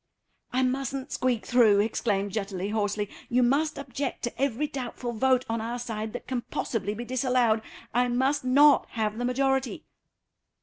"I mustn't squeak through," exclaimed Jutterly, hoarsely. "You must object to every doubtful vote on our side that can possibly be disallowed. I must not have the majority."